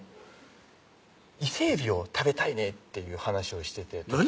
「伊勢えびを食べたいね」っていう話をしてて何？